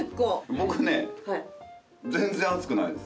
僕ね全然熱くないです。